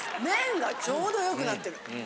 麺がちょうど良くなってる。